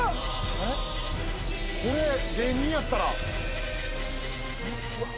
これ芸人やったら。